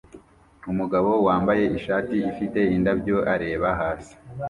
Umugabo wambaye ishati ifite indabyo areba hasi